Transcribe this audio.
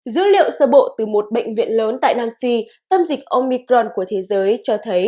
dữ liệu sơ bộ từ một bệnh viện lớn tại nam phi tâm dịch omicron của thế giới cho thấy